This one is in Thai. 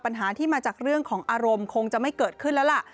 ปัญหาที่มาจากเรื่องของอารมณ์คงจะไม่เกิดขึ้นแล้วล่ะ